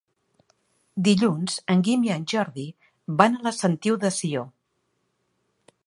Dilluns en Guim i en Jordi van a la Sentiu de Sió.